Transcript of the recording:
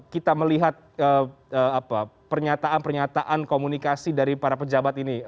kita melihat pernyataan pernyataan komunikasi dari para pejabat ini